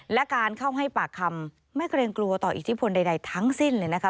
และการเข้าให้ปากคำไม่เกรงกลัวต่ออิทธิพลใดทั้งสิ้นเลยนะคะ